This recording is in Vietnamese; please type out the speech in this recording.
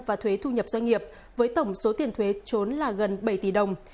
và thuế thu nhập doanh nghiệp với tổng số tiền thuế trốn là gần bảy tỷ đồng